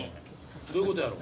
どういうことやろ？